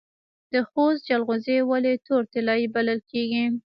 د خوست جلغوزي ولې تور طلایی بلل کیږي؟